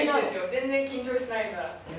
全然緊張しないから。